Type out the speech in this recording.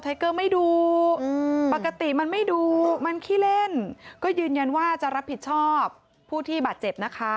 เกอร์ไม่ดูปกติมันไม่ดูมันขี้เล่นก็ยืนยันว่าจะรับผิดชอบผู้ที่บาดเจ็บนะคะ